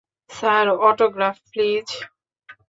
Sir, autograph please.